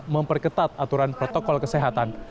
memperketat aturan protokol kesehatan